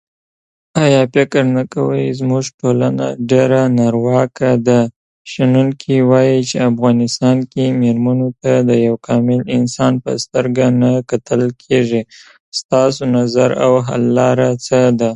.ايا فکر نه کوي زمونژه ټولنه ډېره نارواکه ده شنوونکې وايې چې افغانستان کې ميرمنو ته د يو کامل انسان په سترګه نه کتل کېژي ستاسو .نظر او خل لاره څه ده